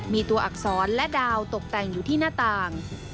มีตัวอักษรและดาวตกแต่งอยู่ที่หน้าต่าง